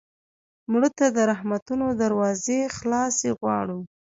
مړه ته د رحمتونو دروازې خلاصې غواړو